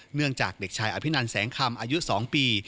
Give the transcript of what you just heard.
เนื่องจากเด็กชายอภินันแสงคำอายุ๒ปี